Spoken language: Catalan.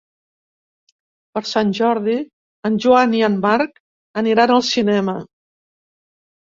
Per Sant Jordi en Joan i en Marc aniran al cinema.